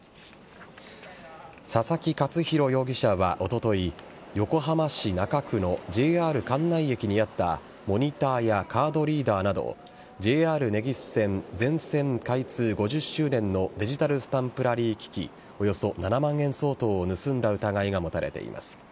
佐々木勝弘容疑者はおととい横浜市中区のＪＲ関内駅にあったモニターやカードリーダーなどＪＲ根岸線全線開通５０周年のデジタルスタンプラリー機器およそ７万円相当を盗んだ疑いが持たれています。